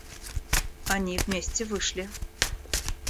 Они вместе вышли.